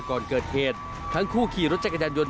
ก่อนเกิดเหตุทั้งคู่ขี่รถจักรยานยนต